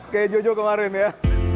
kayak jojo kemarin ya